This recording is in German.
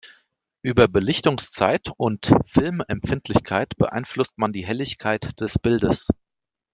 Über Belichtungszeit und Filmempfindlichkeit beeinflusst man die Helligkeit des Bildes.